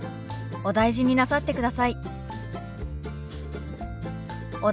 「お大事になさってください」。